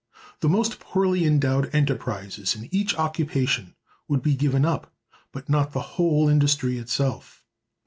The most poorly endowed enterprises in each occupation would be given up, but not the whole industry itself.